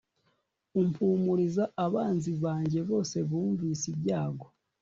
umpumuriza abanzi banjye bose bumvise ibyago